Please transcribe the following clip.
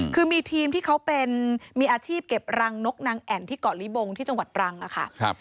คือมีทีมที่เขาเป็นมีอาชีพเก็บรังนกนางแอ่นที่เกาะลิบงที่จังหวัดรังค่ะ